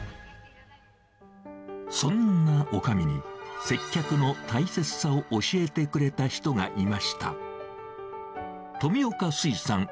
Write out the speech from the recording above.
そんなおかみに、接客の大切さを教えてくれた人がいました。